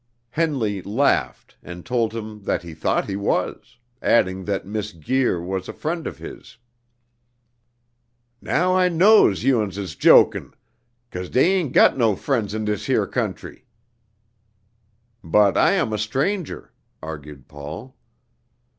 Henley laughed, and told him that he thought he was, adding that Miss Guir was a friend of his. "Now I knows you uns is jokin', 'case dey ain't got no friends in dis 'ere country." "But I am a stranger!" argued Paul.